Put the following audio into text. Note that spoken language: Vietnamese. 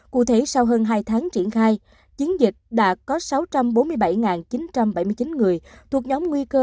cụ thể sau hơn hai tháng triển khai chiến dịch đã có sáu trăm bốn mươi bảy chín trăm bảy mươi chín người thuộc nhóm nguy cơ